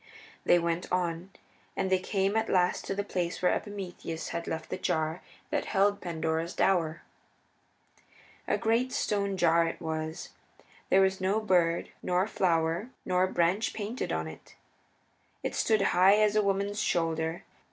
They went on, and they came at last to the place where Epimetheus had left the jar that held Pandora's dower. A great stone jar it was; there was no bird, nor flower, nor branch painted upon it. It stood high as a woman's shoulder.